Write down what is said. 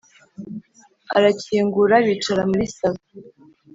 arakingura bicara muri salo